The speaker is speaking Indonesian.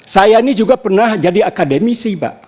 saya ini juga pernah jadi akademisi pak